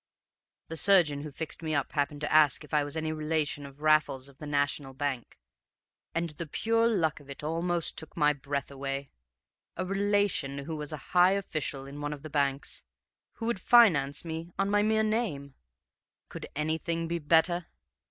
"The surgeon who fixed me up happened to ask me if I was any relation of Raffles of the National Bank, and the pure luck of it almost took my breath away. A relation who was a high official in one of the banks, who would finance me on my mere name could anything be better?